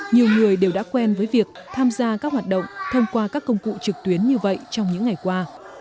nhiều người đều đã quen với việc tham gia các hoạt động thông qua các công cụ trực tuyến như vậy trong những ngày qua